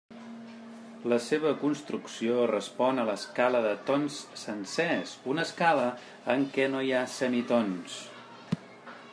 La seva construcció respon a l'escala de tons sencers, una escala en què no hi ha semitons.